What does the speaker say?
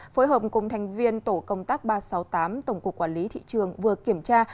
phối hợp cùng thành viên tổ công tác ba trăm sáu mươi tám tổng cục quản lý thị trường vừa kiểm tra